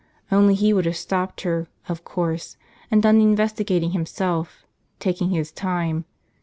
Only he would have stopped her, of course, and done the investigating himself, taking his time.